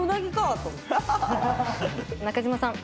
中島さん。